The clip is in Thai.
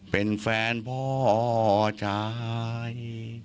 เป็นแฟนพ่อชาย